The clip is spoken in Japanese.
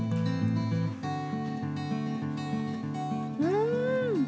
うん！